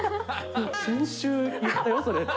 先週言ったよ、それって。